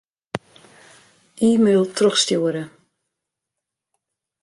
E-mail trochstjoere.